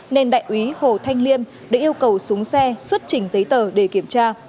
nên đại úy hồ thanh liêm đã yêu cầu xuống xe xuất trình giấy tờ để kiểm tra